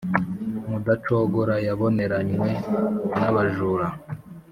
mudacogora yaboneranywe n’abajura.